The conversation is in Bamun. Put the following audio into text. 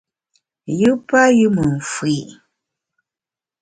Yù payù me mfù’i.